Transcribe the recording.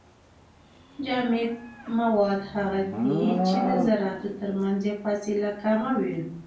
جامد مواد هغه دي چي د زراتو ترمنځ يې فاصله کمه وي.